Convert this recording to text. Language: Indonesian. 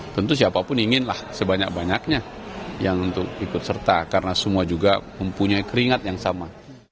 tentu siapapun inginlah sebanyak banyaknya yang untuk ikut serta karena semua juga mempunyai keringat yang sama